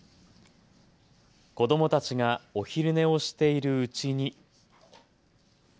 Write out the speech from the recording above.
子どもたちがお昼寝をしているうちに。